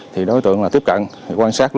thì đối tượng là tiếp cận quan sát